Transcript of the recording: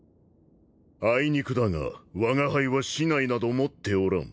あいにくだがわが輩は竹刀など持っておらん。